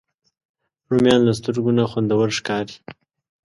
رومیان له سترګو نه خوندور ښکاري